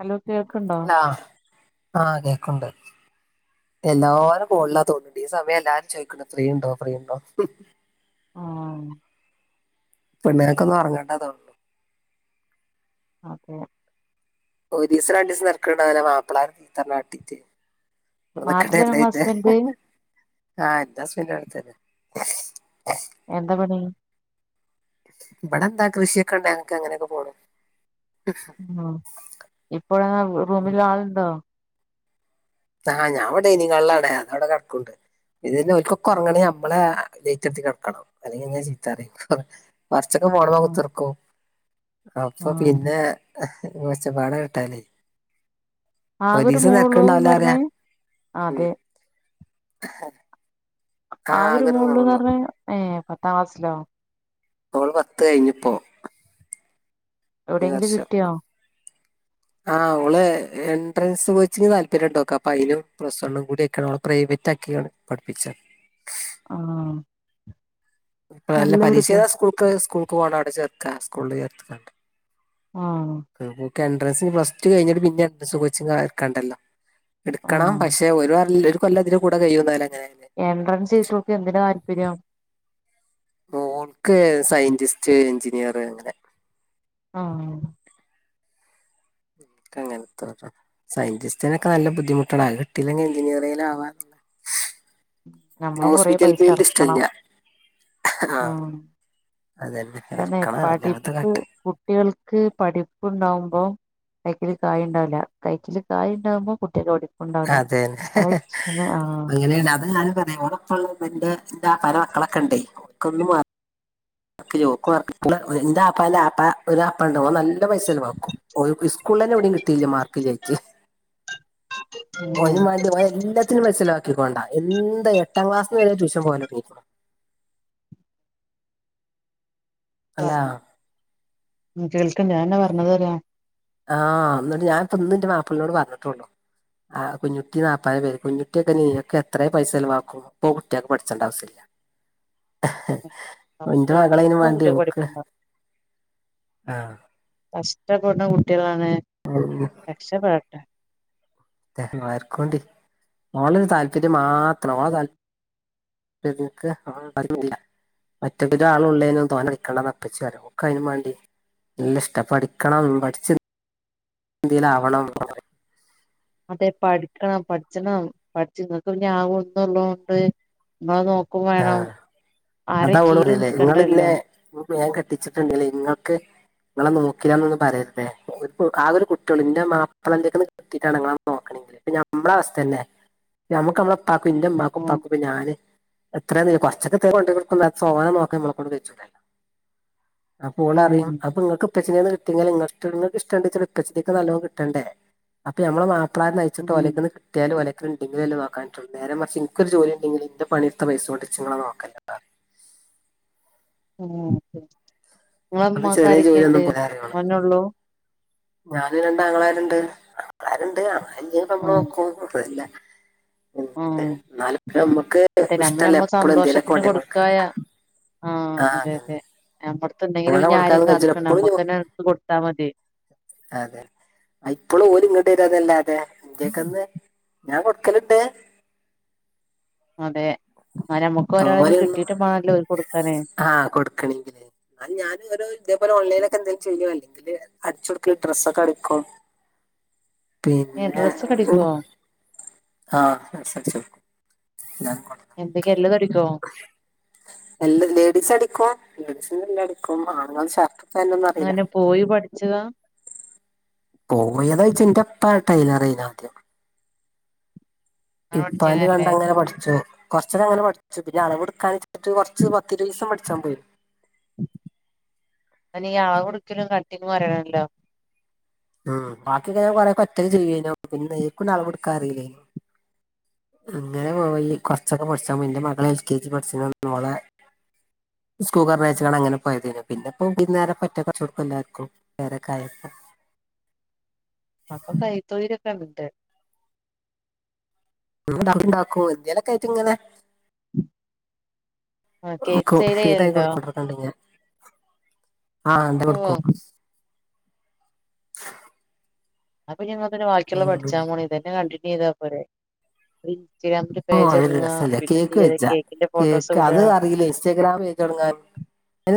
Hello കേൾക്ക്ണ്ടോ അഹ് ആഹ് കേക്കണ്ട് എല്ലാരും ഫോണില്ലാ തോന്ന്ണ്ട് ഈ സമയം എല്ലാരും ചോദിക്കണ് ഫ്രീ ഉണ്ടോ ഫ്രീ ഉണ്ടോ ന്ന് ആഹ് പെണ്ണ്ങ്ങൾക്കൊന്നുംറങ്ങേണ്ടതാണ് അതെ ഒരീസം രണ്ട് ദിവസം നിരക്കുണ്ടനെ മാപ്പളാമാര് ചീത്തപറഞ്ഞട്ടീട്ട് നാട്ടിലാണോ എല്ല ഇങ്ങളെ അത് ഹസ്ബൻഡ് ആ എന്റ ഹസ്ബൻഡ് ഇവിടെ തന്നെ എന്താ പണി ഇവിടെ എന്താ കൃഷിയൊക്കെ ണ്ട ങ്ങക്ക് അങ്ങനെക്കെ പോണും ഉ ഇപ്പോഴാ റൂമിൽ ആളുണ്ടോ ആ ഞാൻ ഇവിടെ ഡെനിങ് ഹാളിലാടേ അവിടെ കിടക്കുണ്ട് ഇ ഒരിക്കൊക്കെ ഉറങ്ങണെ നമ്മളെ ലേറ്റ് അണച്ച് കടക്കണം അല്ലെങ്കി ഇങ്ങനെ ചീത്ത പറയും കുറച്ചൊക്കെ ഫോൺമേ ആഹ് കുത്തിർക്കും അപ്പൊ ആഹ് പിന്നെ ഒച്ചപ്പാട കേട്ടാല് ആകെ ഒരു ഒരീസം നിരക്കുണ്ടാവുല മോളൊള്ളൂന്ന് അറിയ പറഞ്ഞേ ഉം അതെ ആ ഒരു മോൾ ഉണ്ടെന്ന് പറഞ്ഞ ഏ പത്താം ക്ലാസ്സിലോ ഓള് പത്ത് കഴിഞ്പ്പോ ഈ എവിടെയെങ്കിലും വർഷം കിട്ടിയോ ആഹ് ഓള് എൻട്രൻസ് കോച്ചിങ് താല്പര്യം ഉണ്ട് ഓക് അപ്പൊ അതിനും പ്ലസ് വണ്ണിനും കൂടി ഒക്ക പ്രൈവറ്റ് ആക്കിയാണ് പഠിപ്പിച്ച ആഹ് ഇപ്പ അല്ല പരീക്ഷ കല്ലൂർക്കോ എഴുതാൻ സ്കൂൾക്ക് സ്കൂൾക്ക് പോണം അവിടെ ചേർക്ക സ്കൂളിൽ ചേർത്തിക്കണ്ട് ആഹ് ക്ക എൻട്രൻസ് പ്ലസ് ടു കഴിഞ്ഞട്ട് പിന്നെ എൻ്രൻസ് കോച്ചിങ് ഇക്കാണ്ടല്ലോ എടുക്കണം ആഹ് പക്ഷെ ഒരു ഒരു കൊല്ലത്തിൽ കൂടെ കഴിയുന്നാലും അങ്ങനെആയാലും എൻട്രൻസ് ചെയ്തിട്ടു ഓക്ക് എന്തിന താല്പര്യം ഓൾക്ക് സയന്റിസ്റ്റ് എഞ്ചിനീയർ അങ്ങനെ ആഹ് ഇക്കങ്ങനത്ത സയന്റിസ്റ്റിനൊക്കെ നല്ല ബുദ്ധിമുട്ടാണ് അത് കിട്ടയില്ലെങ്കിൽ എഞ്ചിനീയറിങ് ആവാനുള്ള നമ്മളും കൊറേ ഹോസ്പിറ്റൽ പൈസ ഫീൽഡ് ഇഷ്ടം എറക്കണം ഇല്ല ആഹ് അതന്നെ തന്നെ ഇർക്കണ ഞാനത് പഠിപ്പ് കട്ടെ കുട്ടികൾക്ക് പഠിപ്പുണ്ടാവുമ്പം കൈക്കില് കായ് ഉണ്ടാവില്ല കൈക്കില് കായ് ഉണ്ടാവുമ്പോൾ കുട്ടികൾക്ക് പഠിപ്പുണ്ടാവില്ല അതെന്നെ അവ ആഹ് അങ്ങനെയണ് അത ഞാനും പറഞ്ഞെ ഓള് ന്റെ ന്റെ ആ [unintelligible] മക്കളൊക്കെ ഉണ്ടേ എന്റൊ ആപ്പന്റ ആപ്പ ഒ ഒരു ആപ്പ ഉണ്ട് ഓൻ നല്ല പൈസചിലവാക്കും ഓ സ്കൂള് തന്നെ എവിടയും കിട്ടിയില്ല മാർക്ക് ല്ലയിട്ട് അങ്ങനെയാണ് ഓനും വേണ്ടി എല്ലാത്തിനും പൈസ ചെലവാക്കിക്കൊണ്ട എന്താ എട്ടാം ക്ലാസ്സിന്ന് വരെ ട്യൂഷൻ പോവല് തൊടങ്ങിക്കണ് അല്ല പറഞ് [unintelligible] ഞാൻന്ന പറഞ്ഞത് പറയാ ആഹ് എന്നിട്ട് ഞാൻ ഇപ്പൊയിന്ന് എന്റെ മാപ്പിളയൊട് പറഞ്ഞിട്ടുള്ളൂ ആഹ് കുഞ്ഞുട്ടി നാൽപ്പര പേര് കുഞ്ഞുട്ടിയൊക്കെ നീയൊക്കെ എത്രയോ പൈസ ചെലവാക്കും അപ്പൊ കുട്ടിയക്കൾക്ക് പഠിച്ചണ്ട ആവശ്യയില്ല എന്റെ മകള് അതിന് കൂടുമ്പോ വേണ്ടി കുട്ടികൾക്ക് നോക്ക് പഠിപ്പുണ്ടാവും ആഹ് കഷ്ട്ടപ്പെടുന്ന കുട്ടികളാണ് ആഹ് ആഹ് രക്ഷപെടട്ടെ ആർക്കണ്ടി ഓളരു താല്പര്യം മാത്രം ഓളെ താല്പര്ം- ങ്ങക്ക് ആഹ് പറഞ്ഞില്ല മറ്റെവരാള ഉള്ളേന്ന് തോന്ന അടിക്കേണ്ടന്ന അപ്പച്ചി പറയും ഓക്ക് അതിന് വേണ്ടി - നല്ല ഇഷ്ട പഠിക്കണം പഠിച്ച് എന്തേലും ആവണം എന്നൊക്ക പറയും അതെ പഠിക്കണം പഠിച്ചണം പഠിച്ചു നിങ്ങക്ക് പിന്നെ ആ ഒരു ഇത്‌ ഉള്ളതോണ്ട് നിങ്ങളെ നോ - നി ക്കും വേണം ആഹ് ആരെ കീഴിൽ നിൽക്കണ്ടല്ലോ മോൻ കെട്ടിച്ചിട്ടുണ്ടല്ലേ നിങ്ങക്ക് - നിങ്ങളെ നോക്കിയാന്നൊന്ന് പറരുതേ ആ ഒരു കുട്ടികള് എന്റെ മാപ്പള എന്റെ ക - [unintelligible] നോക്കണെങ്കില് പിന്നെ നമ്മടെ അവസ്ഥ തന്നെ നമ്മുക്ക് നമ്മ- എന്റെ ഉമ്മാക്കും ഉം ഉപ്പാക്കും ഞാന്- എത്ര കൊറച്ചക്കെ കൊണ്ടിക്കുന്നത് സോന [unintelligible] നോക്ക നമ്മളെ കൊണ്ട് കയ്ചൂലല്ലോ അപ്പൊ ഓള് ഉം പറയും അപ്പൊ നിങ്ങക്ക്- ഉപ്പച്ചനന്ന് കിട്ടി ഇ [unintelligible] ഷ്ടച്ച ഉപ്പച്ചനക്ക് നല്ലോ ക [unintelligible] ട്ടണ്ടേ അപ്പ മ്മെ അ്ളന്ന്യച്ച [unintelligible] ട്ടോ ഉം ഒലക്കക്ക് കിട്ടി [unintelligible] യുംലക്കെണ്ടെങ്കിലും നക്കാനുള്ള നേരെ മറിച് എനിക്കൊരു ജോലി ഒണ്ടെങ്കി എന്റെ പണി - എത്ര പൈസ കൊണ്ട് കൊച്ചുങ്ങളെ നോക്കലോ ഉം നിങ്ങടെ അതും ഉമ്മാക്ക് ചെറിയ അരെക്കെയിണ്ട് ജോലിയൊന്നും പോരാ പറയും ഓള് മോനെയുള്ളൂ ഞാന് രണ്ട് ആങ്ങളാരുണ്ട് ആരുണ്ട് ആ [unintelligible] ഇമ്മ നോക്കുംല്ല ഉം അതെ നമ്മള് ഇഷ്ടല്ലേ നമ്മ എപ്പളും എന്തേലൊക്കെ സന്തോഷത്തിന് കൊണ്ടേ കൊടുക്കാൻ കൊടുക്കായ ആഹ് ആ അതെ അതന്നെ അതെ നമ്മടടുത്ത എന്തെങ്കിലും അങ്ങനെ ആരും കൊടുക്കാന്ന് കഴിച്ചില്ല കാത്തിനിക്കണ്ട നമ്മക്ക് എപ്പളും തന്നെ എടുത്ത് കൊടുത്ത മതി അതെ ആ ഇപ്പോളും ഓലും ഇങ്ങോട്ട് വരാതെ ഇന്റെയൊക്കന്ന് ഞാൻ കൊടുക്കല ഇണ്ട് അതെ ആ നമുക്ക് ഒരാളത് കിട്ടിയിട്ട് വെണല്ലോ കൊടുക്കാനേ ആഹ് കൊടുക്കണെങ്കില് അത് ഞാന് ഓരോ ഇതെ പോലെ ഓൺ ഒക്കെ എന്തെങ്കിലും ചെയ്യോ അല്ലെങ്കില് അടിച്ചൊടുക്കുന്ന ഡ്രസ് ഒക്കെ അടക്കും [inaudible] ഏയെ ഡ്രസ്സ് ഒക്കെ അടിക്കുവോ ആ ഡ്രസ്സ്‌ അടിച്ചുകൊടുക്കും എന്തൊക്കെയ എല്ലാതും അടിക്കുവോ എല്ലാ ലേഡീസ് അടിക്കും ലേഡീസിന്റെ എല്ലാം അടിക്കും ആണങ്ങടെ ഷർട്ടും- പാന്റ് ഒന്നും അറിയില്ല ഇങ്ങളെങ്ങനെ പോയി പഠിച്ചതാ പോയതാ വെച്ച് എന്റെ അപ്പാ ടൈലർ ആയിരുന്നു ആദ്യയം അങ്ങനെ ഇപ്പാന്റെ കണ്ട് പഠിച്ചതല്ലേ അങ്ങനെ പഠിച്ചു കൊറച്ചക്കെ അങ്ങനെ പഠിച്ചു പിന്നെ അവളവ് എടുക്കാൻ കൊറച്ച് പത്തിരുപത് ദെവസം പഠിച്ചാൻ പോയി അതിന് ഈ അളവ് എടുക്കല് കട്ടിങ് പറയണല്ലോ ഉം ബാക്കിയൊക്കെ ഞാൻ കൊറെ ഒറ്റക്ക് ചെയ്യിനെ പിന്നെ എനിക്ക് ഒന്നും അളവ് എടുക്കാൻ അറിയില്ലേ അങ്ങനെ പോയി കൊറച്ചൊക്കെ പഠിച്ചാ എന്റെ മകൾ എൽ കെ ജി പഠിച്ച മോള് - സ്കൂക്കർ വഴ [unintelligible] ച്ചാണ് അങ്ങനെ പോയതിനെ പിന്നെപ്പ ഇന്നേ നേരെ [unintelligible] പറ്റച്ചകക്ക എല്ലാവർക്കും വേറെക്കായക്ക [unintelligible] അപ്പൊ കൈ തൊഴിൽ [unintelligible] ഉം കറി ഒണ്ടാക്കോ എന്തേലൊക്കെ ആയിട്ട് ഇങ്ങനെ- ആഹ് കേക്ക് സെയില് സീടായി ചെയ്യലുണ്ടോ കൊക്ക [unintelligible] ണ്ട ആഹ് അണ്ട് ഓഹ് കൊടുക്ക [unintelligible] അപ്പൊ ഞങ്ങ അരു ബാക്കിയുള്ള ഉം. പഠിച്ചാ പോ ഇതന്നെ കണ്ടിന്യൂ ചെയ്താൽ പോരെ ഇൻസ്റ്റഗ്രാമില് ഓ പേജ് അതൊരു എടുങ്ങുക രസല്ലേ പിന്നെ എന്ത് കേക്ക് ചെയ വെച്ച കേക്കിന്റെ ഫോട്ടോസ് കേക്ക് വിടുക അത് അറിയില്ല ഇൻസ്റ്റാഗ്രാം തുടങ്ങാൻ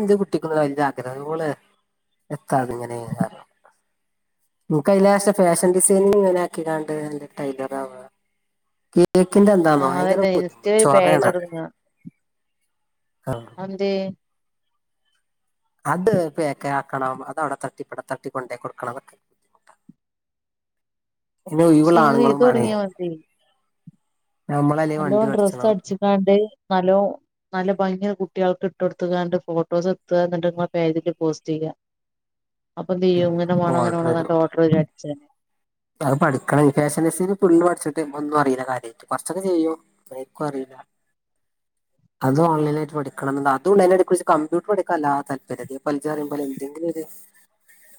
എന്റെ കുട്ടിക്കുന്ന വലിയ ആഗ്രഹംള് എത്താത ഇങ്ങനെ നമക്ക് അലാവശം ഫാഷൻ ഡിസൈനിങ് ഇങ്ങനെ ആക്കി കണ്ട് ടൈലറ ആവാ കേക്കിന്റെ എന്താണോ ആഹ് ഭയങ്കര അതന്നെ ബധ ഇൻസ്റ്റയിൽ ഒരു പേജ് ചോറയാണത് തൊടങ്ങ ആ അത അത് പേക്കെ ആക്കണം അതവിടെ തട്ടിപ്പട തട്ടിക്കൊണ്ടേ കൊടുക്കണംതൊക്കെ പിന്നെ പക്ഷെ ഇവിള ഇങ്ങള് ഇത് ആണുങ്ങളും വണ തൊടങ്ങിയാ നല്ലോ വണ്ടി ഡ്രസ്സ് പഠിച്ചണം അടിച്ചിക്കാണ്ട് നല്ലോ നല്ല ഭംഗിയ കുട്ടികൾക്ക് ഇട്ട കൊടുത്തുകണ്ട് ഫോട്ടോസ് എത്തുക എന്നുണ്ട നിങ്ങൊ പേതില് പോസ്റ്റ് ചെയ്യുക അപ്പൊ തീ്യോ ഉം ഇങ്ങനെ വേ അപ്പൊ ഓർഡർ വരും അങ്ങനെേണോന്റെ ഓർഡർ അടിച്ചു തന്നെ അത് പഠിക്കണൻ എള്ള് പഠിച്ചട്ട് ഒന്നും അറിയില്ല കാര്യമായിട്ട് കൊറച്ചൊക്കെ ചെയ്യോ ക്ക അറില്ല അത ഉം ഓൺലൈനായിട്ട് പഠിക്ക ണംണ്ട് അതൊണ്ട് അതിനെ കുറിച്ച് കമ്പ്യൂട്ടർ എടുക്കാല്ല ആ താല്പര്യ പലി പറുമ്പോ എന്തെങ്കിലും ഒരു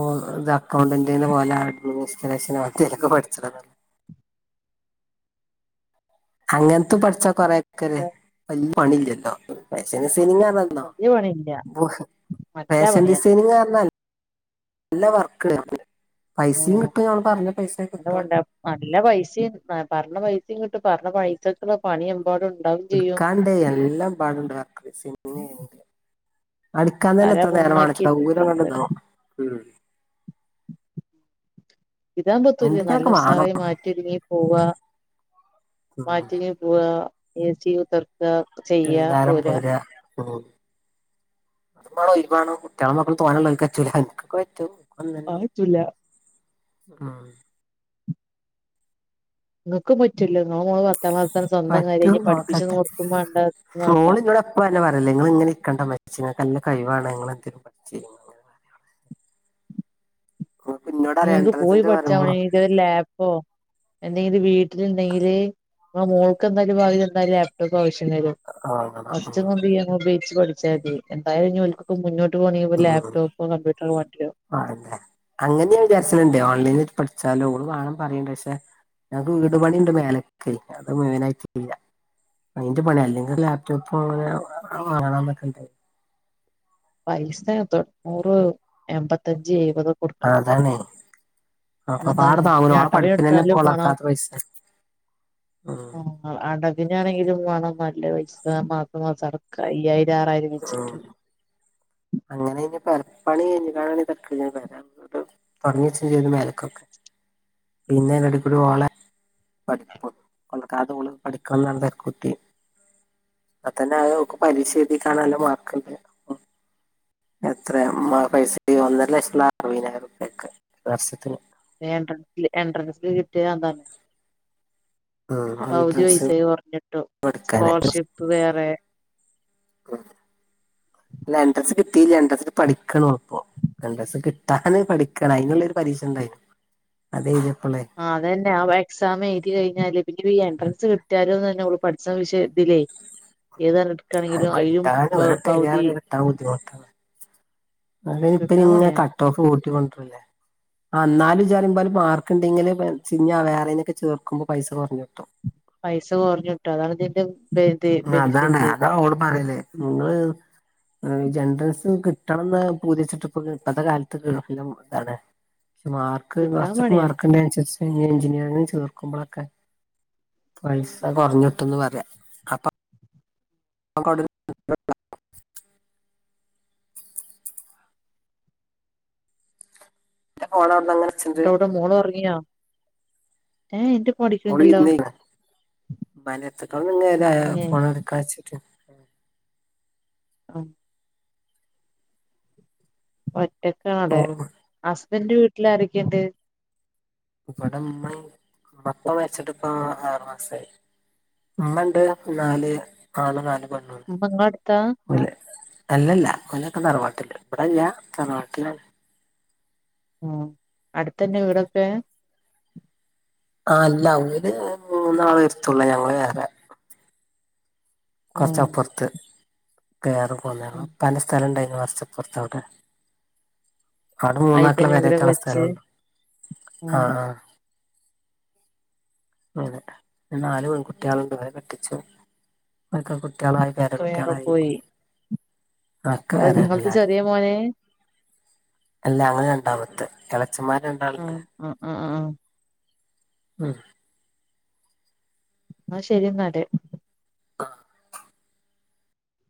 ഓ ഇത് അക്കൗണ്ടന്റി പോലെ അഡ്മിനിസ്റേഷൻലൊക്കെ പഠിച്ചല്ലോ അങ്ങനത്ത പഠിച്ചാ കൊറെേക്കെ വലിയ പണില്ലല്ലോ സെങ്ങ വല്യ പണിയില്ല നല്ല ഫാഷൻ പണിയാ ഡിസൈനിങ് കാരല്ല നല്ല വർക്ക് പൈസയും ഉം കിട്ടും ഞള് പറഞ്ഞ പൈസ നല്ല കിട്ടും പണിണ്ട് നല്ല പൈസയും പറഞ്ഞ പൈസയും കിട്ട് പറഞ്ഞ പൈസക്കുള്ള പണിയും പാടുണ്ടാവും എടുക്കാണ്ട എല്ലാം പാടുണ്ട്ക്ക സിനിമയെങ്കിലും അടുക്കാന്ന് തന്നെ തല എത്ര നേരം പുണ്ണാക്കി വങ്ങിച്ചട്ടാ ഊരം ഇട്ക്കാ കണ്ടന്നോ ഇതാൻ പറ്റൂല്ല എന്തെങ്കിലുമൊക്കെ നല്ല വേണം ഉസാറായി മാറ്റിൊരുങ്ങി പോവ മാറ്റിങ്ങി ഇ തർക്കുക ചെയ്യ രാ ഉ അത് വണോ ഇമാണോ കുട്ടികളെ മക്കൾ തോന്നാനുള്ളറ്റല എനക്കൊക്കെ പറ്റോ കൊ ആറ്റുല്ല ഉ നിങ്ങൾക്കും പറ്റൂല്ലോ നോ മോൾ വത്തം വത്താനം സ്വന്തം കാര്യ പറ്റും ക പഠപ്പിച്ച നോക്കട്ടെ കൊടുക്കും വണ്ട വണ്ട ന്നെ പറയല്ലേ നിങ്ങ ഇങ്ങനെ ഇക്കണ്ട മരിച്ച കല്ല കഴിവാണ് നിങ്ങെന്തെങ്കും പഠുന്നത് നിങ്ങൾക്ക് ഇന്നോട് അറിയാം ഇക്ക് പോയി എൻട്രൻസിന്റെ പഠിച്ച പറയുമ്പോ എനിക്ക ലാപ്പോ എന്തെങ്കിലും വീട്ടിലുണ്ടെങ്കില് ഇ മോൾക്ക് എന്തായാലും വൽ എന്തായാലും ലാപ്ടോപ്പ് ആവശ്യുണ്ടാലോ വാങ്ങണം ഫ ഉം. ബ ബച്ച് പഠിച്ചാ മതി എന്തായാലും വിക്ക മുന്നോട്ട് പോണെങ്ക ലാപ്ടോപ്പോ കമ്പ്യൂട്ടറോ വണ്ടിയോ ആ അതെ അങ്ങനെയൻ വിചാരിച്ചണുണ്ടേ ഓൺലൈനി പഠിച്ചാലോ ഓ കാണാൻ പറയണ്ട് പക്ഷെ ഞങ്ങക്ക് വീട് പണിയുണ്ട് മേലൊക്കെ അത് മെയിനായിയിട്ട് ചെയ്യാം അതിന്റെ പണി അല്ലെങ്കിൽ ലാപ്ടോപ്പ് അങ്ങനെ വാങ്ങാ പണ്ടേ വയസ് തൊ നൂറ് എൺമ്പത്തഞ്ച് എഴപതൊ ആ അതാണ് ആ അപ്പ അതാണ് ആവി താങ്ങന ഇഞ്ഞ് ആള അടവ് പഠിപ്പിന തന്നെ ഇപ്പ കെട്ടാലും മാണം വളർക്കാത്ത പൈസ ഉ ആ അടവിനാണെങ്കിലും വേണം നല്ല പൈ മാസം മാസം അടക്ക അയ്യായിരം ആറായിരം ഉം. വെച്ചിട്ട് അങ്ങനെ കിഞ്ഞ പപ്പണി കഴിഞ്ഞഞ് കാണ തക്ക വരാ തുടങ്ങച്ച ചെയ്ത് മേലക്കൊക്കെ പിന്നെ അതി അടുക്കൂടി ഓള പഠിപ്പ കൊക്ക അതുക പഠിക്കന്നത കുട്ടി അ തന്നെ ആ നക്ക് പരീക്ഷ എഴുതിക്ക കാണാനല്ല മാർക്ക്ണ്ട് എത്ര പൈസ ഒന്നര ലക്ഷമുള്ള അറുപതിനായിരം രൂപ ഒക്കെ വർഷത്തിന് എൻട്രസ് ല കട്ട ന്ന ആൻട്രൻസ് പൈസ കുറഞ്ഞിട്ടും എടുക്കാന സ്കോളർഷിപ്പ് വേറെ എൻട്രൻസ് കിട്ടില്ല എൻട്രൻസ് പഠിക്കാണോ ഇപ്പൊ ണ്ട്രസ് കിട്ടാന് പഠിക്കണം അതിനുള്ളൊരു പരീക്ഷ ഉണ്ടായിരുന്നു അതഴിഞ്ഞപ്പളെ ആ അതന്നെ ആ എക്സാം എഴുതി കഴിഞ്ഞാല് പിന്നെ ഈ എൻട്രൻസ് കിട്ടാലോന്ന് തന്നെള് പഠിച്ച വിശയത്തിലേ ഏതാ അത് കിട്ടാൻ [unintelligible] അല്ലേ ഇപ്പ കിട്ടാൻ ഇങ്ങെ പണിയാ കട്ട് ഓഫ് കൂട്ടിക്കൊണ്ടിരുന്നെ എന്നാല് [unintelligible] മാർക്ക്ണ്ടെങ്കില് പിന്നെ വേറെേനൊക്കെ ചേർക്കുമ്പോ പൈസ കുറഞ്ഞ് കിട്ടും പൈസ കുറഞ്ഞിട്ടോ അതാണിതിന്റെ അതാണ് അതാ ഓള് പറയിന്നേ നിങ്ങള് ട്രൻസ് കിട്ടണന്ന് പൂജിച്ചിട്ട് ഇപ്പ ഇപ്പത്തെ കാലത്ത് [unintelligible] ഇതാണ് പ മാർക്ക് കിട്ടാൻ കൊറച്ചൊക്കെ പണിയാ മാർക്ക് ഉണ്ടെ അനുസരിച്ച് എഞ്ചിനീയറിങ്ങ് ചേർക്കുമ്പോളൊക്കെ പൈസ കുറഞ്ഞിട്ട്ന്ന് പറയാം കൊണ്ട [unintelligible] ഓള അവിടുന്നങ്ങനെ മോള് ഒറങ്ങിയോ ഏഹ് ഇന്റെ മ ഓള് [unintelligible] ഏഹ് ഫോണ് എടുക്കാ വെച്ചിട്ട് ആഹ് ഒറ്റക്കാണവിടെ ഓള് ഹസ്ബന്റ് വീട്ടിലാരൊക്കേണ്ട് ഇവിട ഇമ്മയും പപ്പ മരച്ചിട്ട് ഇപ്പ ആറുമാസായി ഇമ്മ ഇണ്ട് നാല് ആണും നാല് പെണ്ണൂണ്ട് ഉമ്മ ഇങ്ങളെ അടുത്താ ഓല് അല്ലല്ല ഒലൊക്കെ തറവാട്ടില് ഇവടെ അല്ല തറവാട്ടിലാണ് ഉം അടുത്തന്നെ വീടൊക്കെ ആഹ് അല്ല വീട് മൂന്നാളെരുത്തുള്ളേ ഞങ്ങള് വേറെ ആഹ് കുറച്ചപ്പുറത്ത് [unintelligible] ഉപ്പാന്റെ സ്ഥല ഇണ്ടായിരുന്നു കൊറച്ചപ്പർത്തവ്ടെ അവടെ മൂന്നാക്ക്ള്ള അയിത്തന്നെ വീടൊക്കെ പെരേറ്റാനുള്ള വെച്ച് സ്ഥലൊള്ളു ഉം ആഹ് ആഹ് അങ്ങനെ ഒര് നാല് പെൺകുട്ട്യാള്ണ്ട് ഒലെ കെട്ടിച്ചും ഇവൽകൊക്കേ കു കുട്ട്യാളായി ഒക്കെ വേറെ പേരകുട്ട്യാളായി പോയി ഒക്കെ വേറേണല്ലാരും ഇന്റെ മോന് അല്ല അങ്ങള് രണ്ടാമത്തെ എളച്ചന്മാര് രണ്ടാള്ണ്ട് ആഹ് ആഹ് ആഹ് ആഹ് ഉം ആഹ് ശരി എന്നാല് ആഹ്